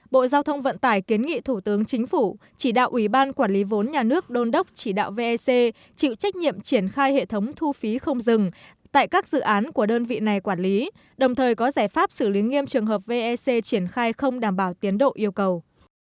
bộ giao thông vận tải kiến nghị thủ tướng chính phủ chỉ đạo ủy ban quản lý vốn nhà nước đôn đốc chỉ đạo vec chịu trách nhiệm triển khai hệ thống thu phí không dừng tại các dự án của đơn vị này quản lý đồng thời có giải pháp xử lý nghiêm trường hợp vec triển khai không đảm bảo tiến độ yêu cầu